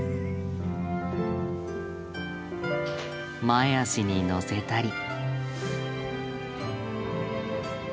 前足にのせたり。